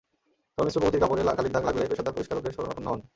তবে মিশ্র প্রকৃতির কাপড়ে কালির দাগ লাগলে পেশাদার পরিষ্কারকের শরণাপন্ন হোন।